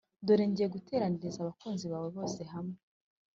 dore ngiye guteraniriza abakunzi bawe bose hamwe